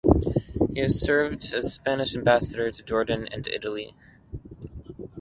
He has served as Spanish ambassador to Jordan and to Italy.